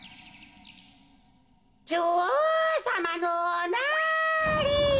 ・じょおうさまのおなりアリ。